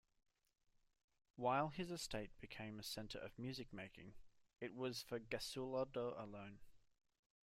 While his estate became a center of music-making, it was for Gesualdo alone.